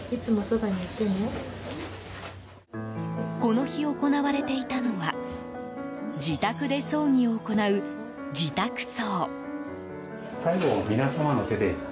この日、行われていたのは自宅で葬儀を行う自宅葬。